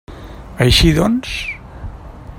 Així doncs?